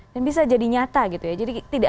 dan bisa jadi nyata gitu ya jadi tidak